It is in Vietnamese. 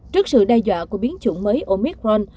trước sự đe dọa của biến chủng mới omicron